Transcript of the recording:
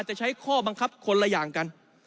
จะใช้ข้อบังคับคนละอย่างกัน